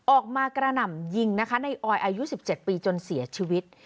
กระหน่ำยิงนะคะในออยอายุ๑๗ปีจนเสียชีวิต